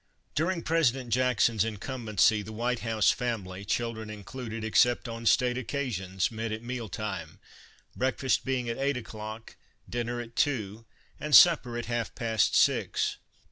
During President Jackson's incumbency the White House family, children included, except on state occasions, met at meal time, breakfast being at eight o'clock, dinner at two, and supper at half past six.